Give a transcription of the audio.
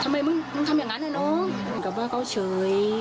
ทำไมมึงมึงทำอย่างนั้นนะน้องเหมือนกับว่าเขาเฉย